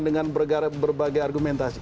dengan berbagai argumentasi